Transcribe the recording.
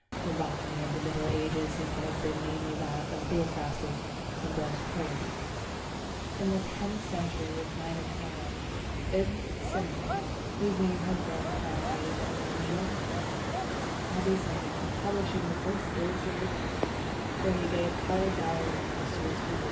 The botany of the Middle Ages seems to have been mainly that of Theophrastus and Dioscorides. In the tenth century we find an Arab, Ibn Sina, whose name has been commemorated in the name of a plant, Avicennia, publishing the first illustrated text book, for he gave coloured diagrams to his pupils.